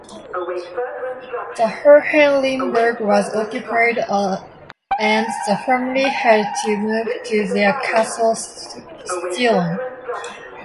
The Hohenlimburg was occupied and the family had to move to their castle Stirum.